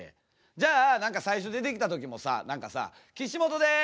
じゃあ何か最初出てきた時もさ何かさ「キシモトです」